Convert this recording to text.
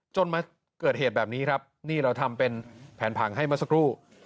จนมาเกิดเหตุแบบนี้ครับนี่เราทำเป็นแผนผังให้เมื่อสักครู่